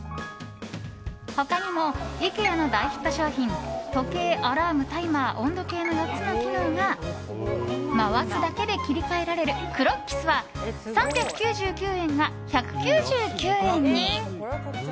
他にもイケアの大ヒット商品時計、アラーム、タイマー温度計の４つの機能が回すだけで切り替えられるクロッキスは３９９円が１９９円に。